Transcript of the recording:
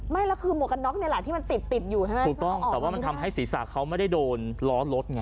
ไม่แล้วคือหมวกกันน็อกนี่แหละที่มันติดติดอยู่ใช่ไหมถูกต้องแต่ว่ามันทำให้ศีรษะเขาไม่ได้โดนล้อรถไง